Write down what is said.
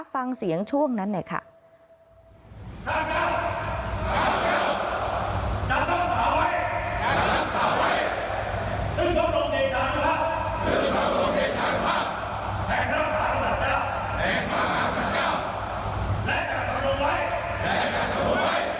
ฟังเสียงช่วงนั้นหน่อยค่ะ